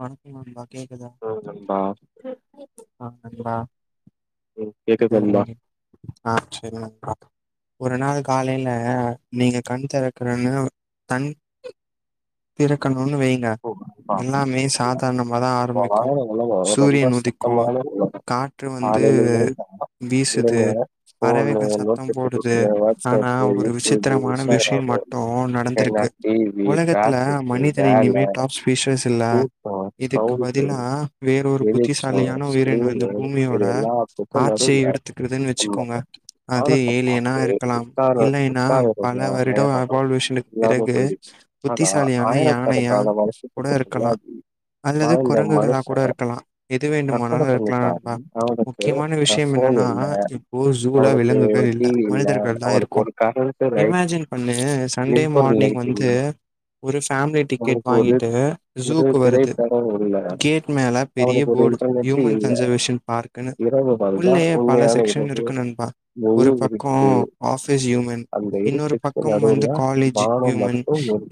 வணக்கம் நண்பா கேக்குதா ஆஹ் நண்பா இந்த [unintelligible] ஆஹ் சரி நண்பா ஒரு நாள் காலையில நீங்க கண் திறக்கறன்னு தண் திற கணு ன்னு வைங்க எல்லாமே சாதாரணமாதா ஆரம்பிக்கு சூரியன் உதிக்கு காற்று வந்து வீசுது பறவைகள் சத்தம் போடுது ஆனா ஒரு விசித்திரமான விஷயம் மட்டு நடந்திருக்கு உலகத் த்துல மனிதன இனிமேட் டாப் ஸ்பீஷர்ஸ் இல்ல இதுக்கு பதிலா வேறொரு புத்திசாலியான உயிரினொ இந்த பூமியோட ஆட்சிய எடுத்துக்கிறதுன்னு வச்சுக்கோங்க அது ஏலியனா இருக்கலாம் இல்லைன்னா பல வருடொ அவால்யுஷனுக்கு பிறகு அதா ஆயிர கணக்கான வரு கூட இருக்கலா அல்லது குரங்குகளா கூட இருக்கலா எது வேண்டுமானாலு இருக்கலா நண்பா முக்கியமான விஷயம் என்னன்னா இப்போ ஜூலா விலங்குகள் இல்ல மனிதர்கள் தா இருக்கோ இமேஜின் பண்ணு சண்டே மார்னிங் வந்து ஒரு ஃபேமிலி டிக்கெட் வாங்கிட்டு வ ஜூக்கு வருது கேட் மேல பெரிய போர்டு க்யூமன் கன்சர்வேஷன் பார்க்குன்னு உள்ளயே பல செக்ஷன் இருக்கு நண்பா ஒரு பக்கோ ஆஃபிஸ் யூமன் இன்னொரு பக்கம் வந்து காலேஜு யூமன்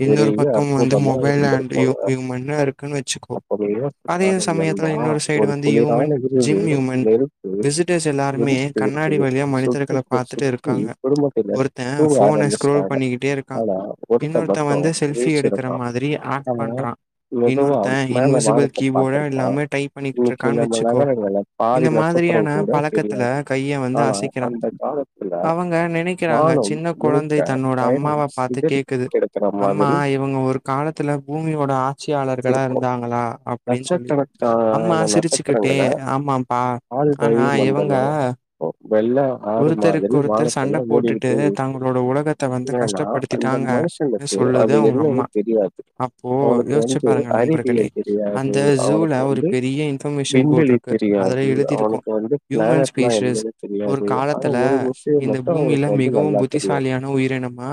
இன்னொரு பக்கம் வந்து மொபைல் ஆண்ட் யூமன்னா இருக்கன் வச்சுக்கோ அதே சமயத்துல இன்னொரு சைடு வந்து யூமன் ஜிம் யூமன் விசிட்டர்ஸ் எல்லாருமே கண்ணாடி வழியா மனிதர்கள பாத்துட்டு இருக்காங்க ஒருத்த ஃபோன ஸ்கரோல் பண்ணிக்கிட்டே இருக்கா இன்னொரு வந்து செல்ஃபி எடுக்குற மாதிரி ஆ ஆனா மெதுவா மேல வானத்த பாத்திருப்பா இன்னைக்கி நம்மோ நகரங்களு பாதி நட்சத்திரோ கூட தெரியாது ஆனா அந்த காலத்துல வானோ முழுக்க பயணம் சிதரி கெடைக்கற அம்மா இவங்க ஒரு காலத்து பூமியோட ஆட்சியாளர்களா இருந்தாங்களா அப்டின் சொல்லி அம்மா சிரிச்சுக்கிட்டே ஆமாம்ப்பா ஆனா இவங்க வெள்ள ஆறு மாதிரி வானத்துல ஓடிக்கிட்டே இருக்கு ஏனா அந்த மனுஷனுக்கு அது என்னன்னு தெரியாது அவனுக்கு வந்து அறிவியல் தெரியாது அவனுக்கு வந்து விண்வெளி தெரியாது அவனுக்கு வந்து பிளானட்னா என்னனு தெரியா ஒரு காலத்துல இந்த பூமில மிகவு புத்திசாலியான உயிரினமா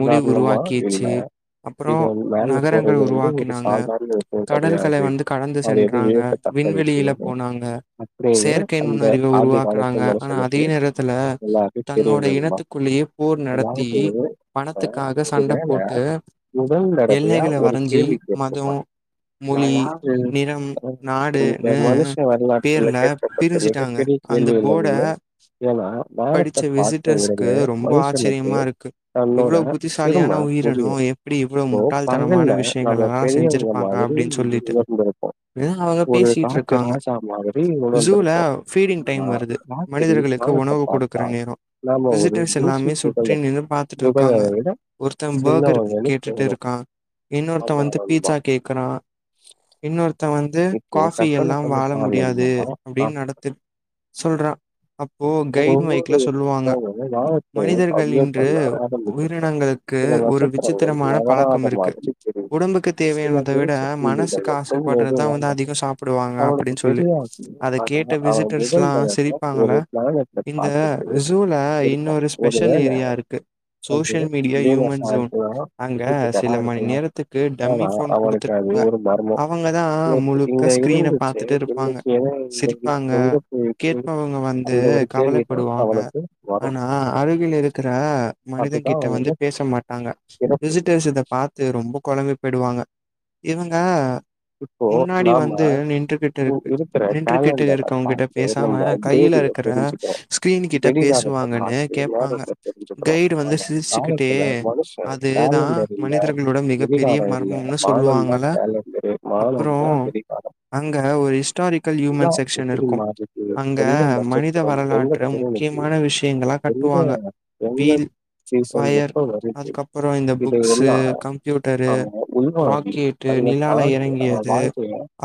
மொழி உருவாக்கீச்சு அப்புறோ நகரங் அது வந்து ஒரு சாதார்ண விஷயோ கெடயாது அது எதோ வியக்கத்தக்க விஷியோ அப்டின்னு அந்த ஆதி காலத்து மனி ஆனா அதே நேரத்துல தன்னோட இனத்துக்குள்ளியே போர் நடத்தி பணத்துக்காக சண்ட போட்டு எல்லைகள வந் கேள்வி கேட்ருப்பா நா யாரு ஆ இந்த மனுஷ வரலாற்றுல கேக்கப்பட்ட மிகப்பெரிய கேள்விகள்ல உள்ள ஏனா வானத்த பாத்த உடனே மனுஷனுக்கு தன்னோட சிறும புரியு போ ப ங்கல்ல நம்ம பெரியவங்கள மாதிரி உணர்ந்திருப்போ ஒரு காட்டு ராஜா மாதிரி உணர்ந்துருப்போ ஆனா காட் மனிதர்களுக்கு உணவு குடுக்குற நேரோ விசிட்டர்ஸ் எல்லாமே சுற்றி நின்னு பாத்துட்டு இருக்காங்க ஒருத்த பாக்கரு கேட்டுட்டு இருக்கா இன்னொருத்த வந்து பீட்ஸா கேக்குறா இன்னொரு த்த வந்து காஃபி இல்லா வாழ முடியாது அப்டின் நடத்து சொல்றா அப்போ கைடு மைக்ல சொல்லுவாங்க மனிதர்கள் இன்று உயிரினங்களுக்கு ஒரு விசித்திரமான பழக்கம் இருக்கு உடம்புக்கு தேவையானத விட மனசுக்கு ஆசைப்பட்றதா வந்து அதிகோ சாப்புடுவாங்க அப்புடின் சொல்லி அத கேட்ட விசிட்டர்ஸ்லா சிரி அதுனால இந்த ஜூல இன்னொரு ஸ்பெஷல் ஏரியா இருக்கு சோசியல் மீடியா யூமன் சோன் அங்க சில மணி நேரத்துக்கு டம்மி ஃபோன் குடுத்துரு அ அவங்கதா முழுக்க ஸ்கிரீன பாத்துட்டு இருப்பாங்க சிரிப்பாங்க கே து கவலைப்படுவாங்க ஆனா அருகில் இருக்கிற மனிதன் கிட்ட வந்து பேச மாட்டாங்க விசிட்டர்ஸ் இத பாத்து ரொம்போ கொழம்பி போயிடுவாங்க இவங்க முன்னாடி வந்து நின்றுகிட்டு இருக்கு நின்றுகிட்டு இருக்கவ்ங்க கிட்ட பேசாம தேதிய தெரிஞ்சுக்கிறோ வெடிகாலத்த மாத்தி நேரத்த தெரிஞ்சுக்குறோ ஆனா காலத்துல மனுஷன் கேலண்டர் இல்ல எதிகாதோ இல்ல வானொந்தா கேலண்டரு அப்புறம் அங்க ஒரு ஹிஸ்டாரிக்கல் ஹியூமன் செக்ஷன் இருக்கு மனித வரலாற்ற முக்கியமான விஷயங்கள கட்டுவாங்க வீ வய அதுக்கறம் இந்த புக்சு கம்பியூடரு ராக்கெட்டு நிலால இறங்க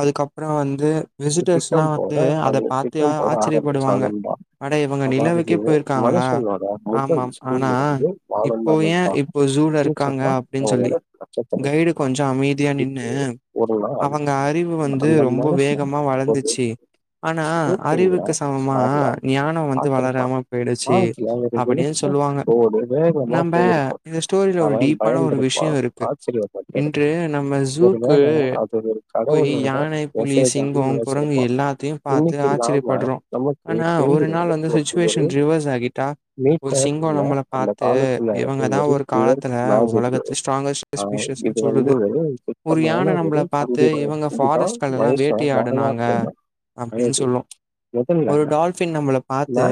அதுக்கப்புறம் வந்து விசிட்டர்ஸ் எல்லா வந்து அத பாத்துா ஆச்சரியப்படுவாங்க அட இவங்க நிலவுக்கே போயிருக்காங்களா ஆமாம் ஆனா இப்போ ஏ இப்போ ஜூல இருக்காங்க அப்டின்னு சொல்லி கைடு கொஞ்சோ அமைதியா நின்னு அவங்க அறிவு வந்து ரொம்ப வேகமா வளர்ந்துச்சு ஆனா அறிவுக்கு ஞானம் வந்து வளராம போயிடுச்சு அப்டின்னு சொல்லுவாங்க நம இந்த ஸ்டோரியில ஒரு டீப்பான ஒரு விஷயம் இருக்கு இன்று நம்ம ஜூக்கு அது ஒரு கடவுளோட மெசேஜ ஆ நெனைச்சிருப்பா இன்னிக்கு இல்லாம ஆனா ஒரு நாள் வந்து சுச்சுவேஷன் ரிவர்ஸ் ஆகிட்டா ஒரு சிங்கம் நம்மளை பார்த்து இவங்கதா ஒரு காலத்துல உலகத்து ஸ்ட்ராங்கஸ்ட் [unintelligible] சொல்லுது ஒரு யான நம்ம இவங்க ஃபாரஸ்ட்கள் எல்லா வேட்டிய ஆடுனாங்க அப்டின்னு சொல்லு ஒரு டால்பின் நம்மளை பார்த்து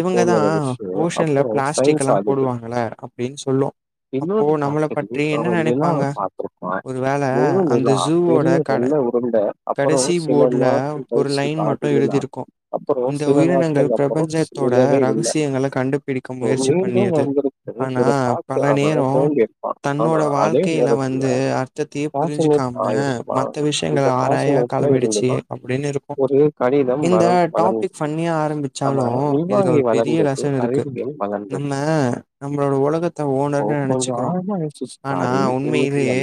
இவங்கதா ஓஷன்ல பிளாஸ்டிக் எல்லா போடுவாங்கள அப்டின்னு சொல்லு அப்போ நம்மளை பற்றி என்ன நினைப்பாங்க ஒருவேள அந்த பெரியதல்ல உருண்ட கடைசி போர்ட்ல ஒரு லைன் மட்டு எழுதிருக்கு இந்த உயிரினங்கள் பிரபஞ்சத்தோட ரகசியங்களை கண்டுபிடிக்க முயற்சி பண்ணியது ஆனா பல நேரம் தன்னோட வாழ்க்கையில வந்து அர்த்தத்தையே புரிஞ்சுக்காம ஆஹ மத்த விஷயங்கள ஆ கிளம்பிடுச்சு அப்டின்னு இருக்கு இந்த டாபிக் பண்ணியா ஆரம்பிச்சாலு இதுல ஒரு பெரிய லெசன் இருக்கு நம்ம நம்மளோட உலகத்த ஓனர்னு நெனைச்சுக்கிறோ ஆனா உண்மையிலயே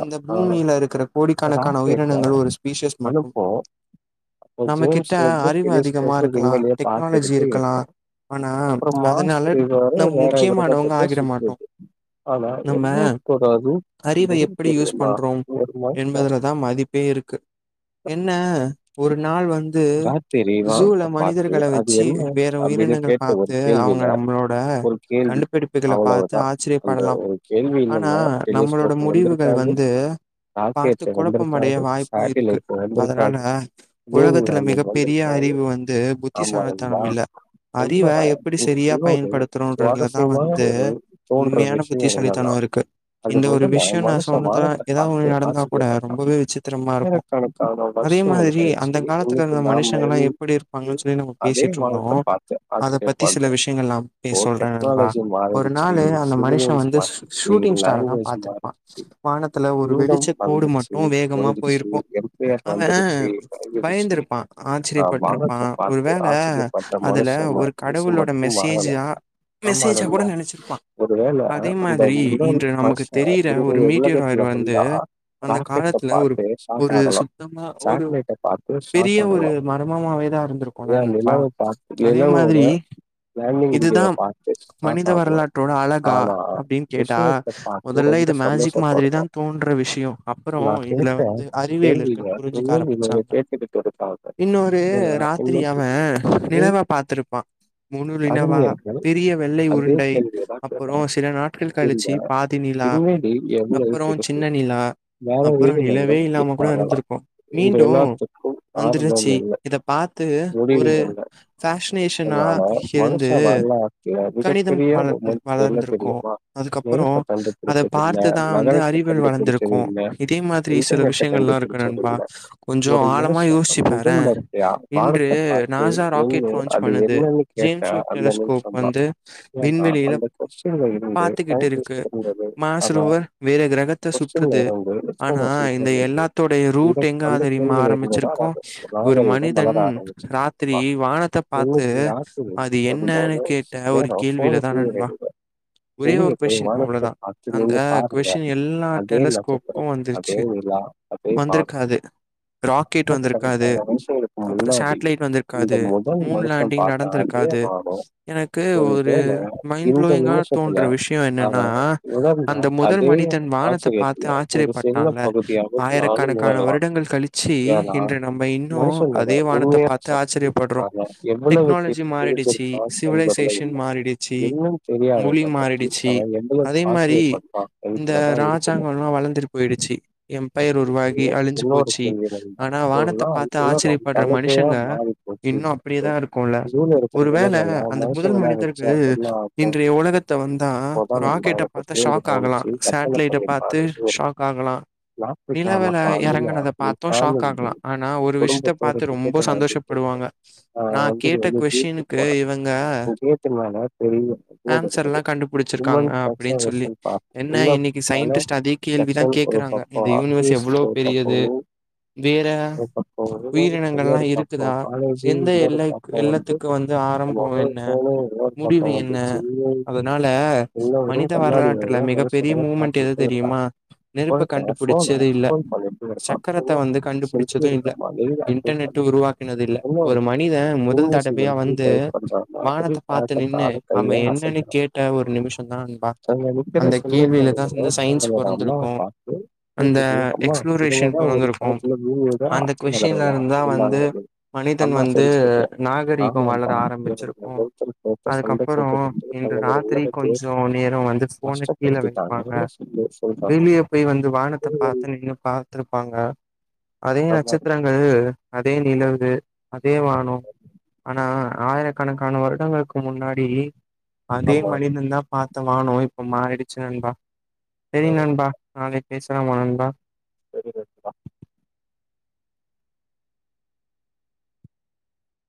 இந்த பூமியில் இருக்கிற கோடிக்கணக்கான உயிர் அனுப்போ அப்ப ஜேம்ஸ் வந்து டெலிஸ்கோப்பு விண்வெலிய பாத்துக்கிட்டு இருப்போ அப்புறம் மாஸ் இ வேற கிரகத்தக்க சுற்றுது ஆனா என கூடாது எது தெரியுமா என்பதுல தா மதிப்பு இருக்கு என்ன ஒரு நாள் வந்து ஜூல மனிதர்க வெச்சு வேற உயிரினங்கள் பாத்து அவங்க நம்மளோட கண்டுபிடிப்புகள பாத்து ஆச்சரியப்படலாம் ஆனா நம்மளோட முடிவுகள் வந்து ஆக்கே சே வந்திருக்கா அது வாய்ப்பும் இருக்கு அதனால உலகத்துல மிக பெரிய அறிவு வந்து புத்திசாலித்தனம் இல்ல அறிவ எப்பிடி செரியா பயன்படுத்துறோன்றதுலதா வந்து உண்மையான புத்திசாலித்தனம் இருக்கு இந்த ஒரு விஷயம் நா சொல்றதுல்ல ஏதாவது நடந்தா கூடா ரொம்பவே வச்சு இரு அதே மாதிரி அந்த காலத்துல இருந்த மனுஷங்க எல்லா எப்பிடி இருப்பாங்கு சொல்லி நம்ம பேசிட்டு இருந்தோ அத பத்தி சில விஷயங்கள் நா சொல்றே நண்பா ஒரு நாள் அந்த மனுஷன் வந்து ஷுட்டிங் ஸ்டார எல்லா பாத்திருப்ப அதுல ஒரு வெளிச்ச கோடு மட்டும் வேகமா அவன் பயந்திருப்பான் ஆச்சரியப்பட்டுருப்பான் ஒருவேளை அதுல ஒரு கடவுளோட மெசேஜ் ஆ மெசேஜா கூட நினைச்சிருப்பா அதே மாதிரி இன்று நமக்கு தெரியர ஒரு மீடியரா இல்லாம இருந்தா ராக்கெட்ட பாத்து ஒரு சுத்தமா ஒரு பெரிய ஒரு மர்மமாவேதா இருந்திருக்கோல நண்பா அதே மாதிரி இதுதா மனித வரலாற்றோட அழகா அப்டின்னு கேட்டா மொதல்ல இது மேஜிக் மா திரிதா தோன்ற விஷய அப்புற இதுல வந்து அறிவியல் இருக்குன்னு புரிஞ்சுக்க ஆரம்பிச்சாங்க இன்னொரு ராத்திரி அவ நிலவ பாத்திருப்பா முழு நிலவா பெரிய வெள்ளை உருண்டை அப்புற சில நாட்கள் கழிச்சு பாதி நிலா அப்புற சின்ன நிலா அப்புற நிலவே இல்லாம கூட இருந்திருக்கு மீண்டு வந்துருச்சு இத பாத்து ஒரு பேஷினேஷனா இருந்து கணிதம் வளந் வளர்ந்திருக்கு அதுக்கப்பற அத பார்த்துதா அறிவியல் வளந்திருக்கு இதே மாதிரி சில விஷ் யெல்லா இருக்கு நண்பா கொஞ்ச ஆழமா யோசிச்சு பாரே இன்று நாசா ராக்கெட் லான்ஞ் பண்ணுது ஜேம்ஸ்ஸுட் டெலஸ்கோப் வந்து விண்வெளியில பாத்துக்கிட்டு இருக்கு மாஸ்ரோவர் வேற கிரகத்த சுற்றுது ஆனா இந்த எல்லாத்தோடைய ரூட் எங்க தெரியுமா ஆரம்பிச்சிருக்கு ஒரு மனிதன் ராத்திரி வானத்தை பாத்து அது என்னன்னு கேட்ட ஒரு கேள்விலதா நண்பா ஒரே ஒரு கொஸின் அவ்ளோதா அந்த கொஷின் எல்லா டெலஸ்கோப்க்கு வந்துருச்சு வந்திருக்காது ராக்கெட் வந்திருக்காது அப்புற சேட்டிலைட் வந்திருக்காது மூன் லேண்டிங் நடந்திருக்காது எனக்கு ஒரு மைண்ட் ப்ளோயிங்கா தோன்ற விஷய என்னன்னா அந்த மொத் அதே ஆச்சரியத்துல ஒரு சின்னப்ப ஆயிரக்கணக்கான வருடங்கள் கழிச்சு இன்று நம்ம இன்னு அதே வானத்த பாத்து ஆச்சரியப்பட்றோ, டெக்னாலஜி மாறிடுச்சு சிவிலைசேஷன் மாறிடுச்சு மொழி மாறிடுச்சு அதே மாரி இந்த ராஜாங்கல்லா வளந்துட்டு போயிடுச்சு எம்பயர் உருவாகி அழிஞ்சு போச்சு ஆனா வானத்த பாத்து ஆச்சரியப்பட்ற மனுஷங்க இன்னு அப்படியேதா இருக்கோல்ல ஒருவேள அந்த முதல் மனிதர்கள் இன்றைய உலகத்த வந்தா ராக்கெட்ட பாத் ஷாக் ஆகலா சேட்லைட்ட பாத்து ஷாக் ஆகலா நிலவுல எறங்குனத பாத்தும் ஷாக் ஆகலா ஆனா ஒரு விஷயத்த பாத்து ரொம்ப சந்தோஷப்படுவாங்க நா கேட்ட கொஸினுக்கு இவங்க ஆன்சர் எல்லா கண்டுபுடிச்சிருக்காங்க அப்டின்னு சொல்லி என்ன இன்னைக்கி சயின்டிஸ்ட் அதே கேள்விதா கேக்குறாங்க இந்த யூனிவர்ஸ் எவ்ளோ பெரியது வேற உயிரினங்கல்லா இருக்குதா எந்த எல்லைக் எல்லத்துக்கு வந்து ஆரம்போ என்ன முடிவு என்ன அதனால மனித வரலாற்றுல மிகப் பெரிய மூமெண்ட் எது தெரியுமா நெருப்ப கண்டுப் புடிச்சது இல்ல, சக்கரத்த வந்து கண்டுபுடிச்சது இல்ல, இன்டர்நெட் உருவாக்கினது இல்ல ஒரு மனிதன் முதல் தடவையா வந்து வானத்த பாத்து நின்னு அவ என்னன்னு கேட்ட ஒரு நிமிஷதா நண்பா அங்க நிக்கற சின்ன கொழந்தைங்க தங்களோட அம்மாவை பாத்து அந்த எக்ஸ்ப்ளோரேஷன் பொறந்திருக்கு அந்த கொஷ்டின்ல இருந்தா வந்து மனிதன் வந்து நாகரிகோ வளர ஆரம்பிச்சிருக்கு அதுக்கப்புறோ இந்த ராத்திரி கொஞ்சோ நேரோ போன கீழே வெப்பாங்க வெளியே போய் வந்து வானத் த்த பாத்து நின்னு பாத்திருப்பாங்க அதே நட்சத்திரங்கள் அதே நிலவு அதே வானோ ஆனா ஆயிரக்கணக்கான வருடங்களுக்கு முன்னாடி அதே மனிதந்தா பா த்த வாணோ இப்போ மாறிடுச்சு நண்பா செரி நண்பா நாளை எத்தனுவா நண்பா பதினெட்ரூபா